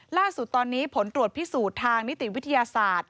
ล่าสุดตอนนี้ผลตรวจพิสูจน์ทางนิติวิทยาศาสตร์